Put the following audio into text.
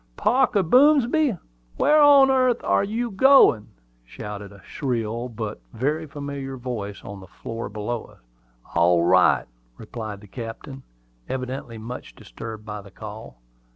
"Parker Boomsby! where on earth air you goin'?" shouted a shrill, but very familiar voice on the floor below us. "All right," replied the captain, evidently much disturbed by the call.